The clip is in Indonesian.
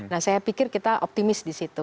nah saya pikir kita optimis di situ